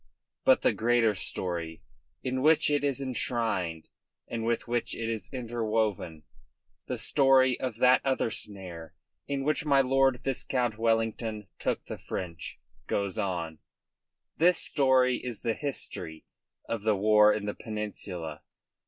But the greater story in which it is enshrined and with which it is interwoven, the story of that other snare in which my Lord Viscount Wellington took the French, goes on. This story is the history of the war in the Peninsula.